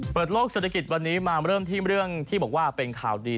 เปิดโลคศัตริกิจวันนี้มาเริ่มที่บอกว่าเป็นข่าวดี